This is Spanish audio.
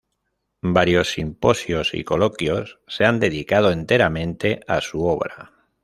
Varios simposios y coloquios se han dedicado enteramente a su obra.